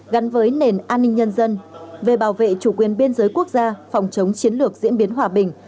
gắn với nền an ninh nhân dân về bảo vệ chủ quyền biên giới quốc gia phòng chống chiến lược diễn biến hòa bình